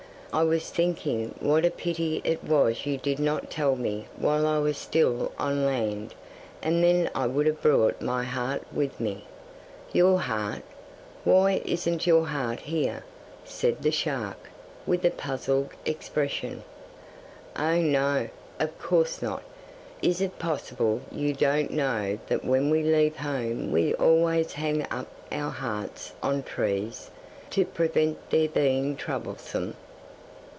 'I was thinking what a pity it was you did not tell me while I was still on land, and then I would have brought my heart with me.' 'Your heart! Why isn't your heart here?' said the shark, with a puzzled expression. 'Oh, no! Of course not. Is it possible you don't know that when we leave home we always hang up our hearts on trees, to prevent their being troublesome?